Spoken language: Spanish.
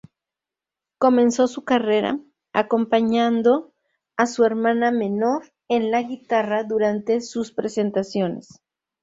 Comenzó su carrera, acompañando a su hermana menor en la guitarra durante sus presentaciones.